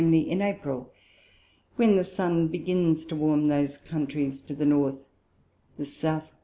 _ in April, when the Sun begins to warm those Countries to the North, the S. W.